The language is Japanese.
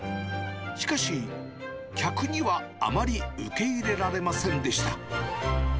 しかし、客にはあまり受け入れられませんでした。